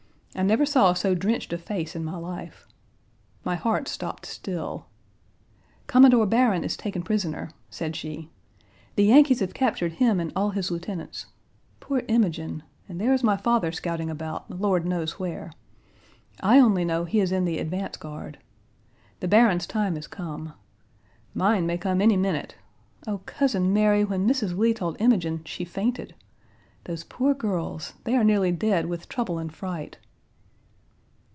I never saw so drenched a face in my life. My heart stopped still. "Commodore Barron is taken prisoner," said she. "The Yankees have captured him and all his lieutenants. Poor Imogen and there is my father scouting about, the Lord knows where. I only know he is in the advance guard. The Barron's time has come. Mine may come any minute. Oh, Cousin Mary, when Mrs. Lee told Imogen, she fainted! Those poor girls; they are nearly dead with trouble and fright."